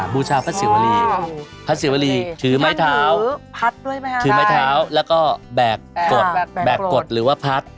บูชาพระศรีวรีถือไม้เท้าถือไม้เท้าแล้วก็แบกกดแบกกดหรือว่าพัด